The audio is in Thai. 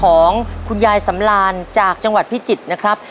ของคุณยายสำรานจากจังหวัดพิจิตรนะครับ